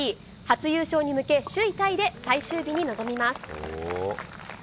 初優勝に向け、首位タイで最終日に臨みます。